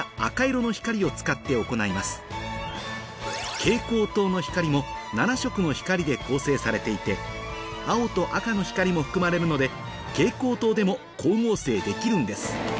蛍光灯の光も７色の光で構成されていて青と赤の光も含まれるので蛍光灯でも光合成できるんです